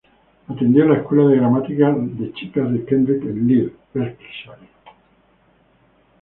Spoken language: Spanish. Atendió la Escuela de Gramática de Chicas de Kendrick en Leer, Berkshire.